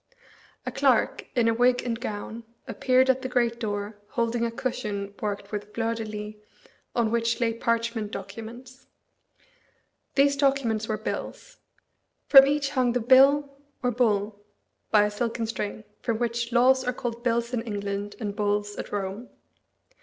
A clerk, in a wig and gown, appeared at the great door, holding a cushion worked with fleurs de lis, on which lay parchment documents. These documents were bills. From each hung the bille, or bulle, by a silken string, from which laws are called bills in England and bulls at Rome.